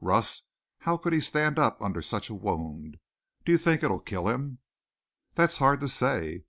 Russ, how could he stand up under such a wound? Do you think it'll kill him?" "That's hard to say.